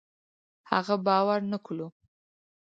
هغه باور نه کولو